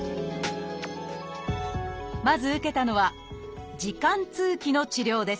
まず受けたのは「耳管通気」の治療です。